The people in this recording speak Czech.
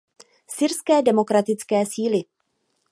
Syrské demokratické síly.